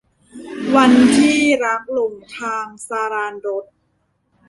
วันที่รักหลงทาง - สราญรส